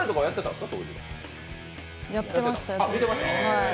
やってました。